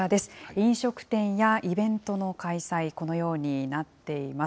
飲食店やイベントの開催、このようになっています。